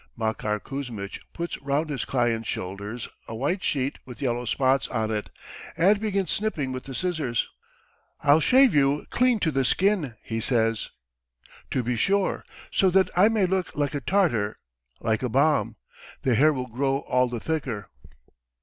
Makar Kuzmitch puts round his client's shoulders a white sheet with yellow spots on it, and begins snipping with the scissors. "I'll shave you clean to the skin!" he says. "To be sure. So that I may look like a Tartar, like a bomb. The hair will grow all the thicker."